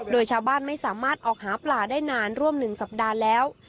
โดยชาวบ้านไม่สามารถออกหาปลาได้นานร่วม๑สัปดาห์แล้ว